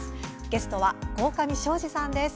ゲストは鴻上尚史さんです。